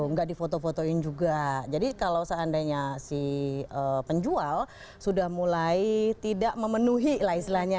coba di foto foto in juga jadi kalau seandainya si penjual sudah mulai tidak memenuhi laislanya